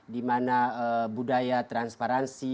dimana budaya transparansi